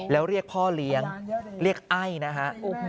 แล้วเรียกพ่อเลี้ยงเรียกไอ้นะฮะ